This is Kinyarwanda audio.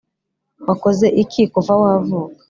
wakoze iki kuva wavuka